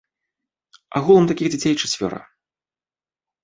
Агулам такіх дзяцей чацвёра.